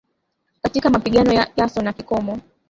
Katika mapigano yaso na kikomo.